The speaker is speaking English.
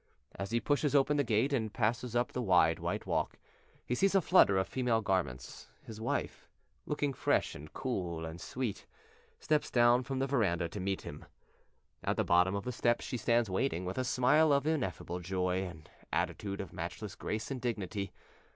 As he pushes open the gate and passes up the wide white walk, he sees a flutter of female garments; his wife, looking fresh and cool and sweet, steps down from the veranda to meet him. At the bottom of the steps she stands waiting, with a smile of ineffable joy, an attitude of matchless grace and dignity.